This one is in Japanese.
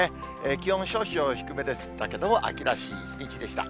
気温少々低めでしたけれども、秋らしい一日でした。